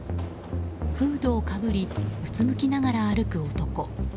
フードをかぶりうつむきながら歩く男。